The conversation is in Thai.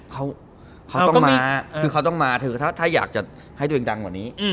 เขาต้องมาคือเขาต้องมาถ้าอยากจะให้ตัวเองดังกว่านี้